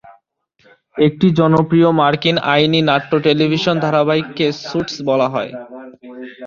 একটি জনপ্রিয় মার্কিন আইনী নাট্য টেলিভিশন ধারাবাহিককে স্যুটস বলা হয়।